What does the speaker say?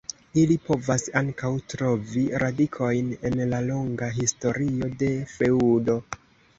Ili povas ankaŭ trovi radikojn en la longa historio de feŭdo.